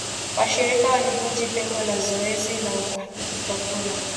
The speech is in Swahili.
Washirika walihoji lengo la zoezi la uhakiki wa kura.